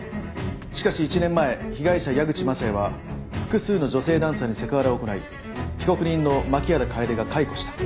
しかし１年前被害者矢口雅也は複数の女性ダンサーにセクハラを行い被告人の槇原楓が解雇した。